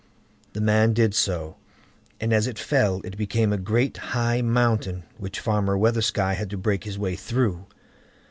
The man did so, and as it fell it became a great high mountain, which Farmer Weathersky had to break his way through.